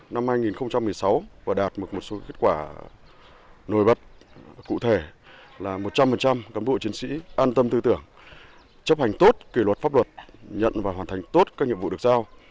năm hai nghìn một mươi sáu và đạt được một số kết quả nổi bật cụ thể là một trăm linh cán bộ chiến sĩ an tâm tư tưởng chấp hành tốt kỷ luật pháp luật nhận và hoàn thành tốt các nhiệm vụ được giao